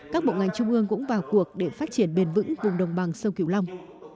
các bộ ngành trung ương cũng vào cuộc để phát triển bền vững vùng đồng bằng sông kiều long